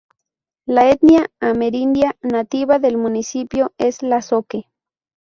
La etnia amerindia nativa del municipio es la zoque.